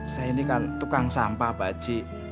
saya ini kan tukang sampah pak yaak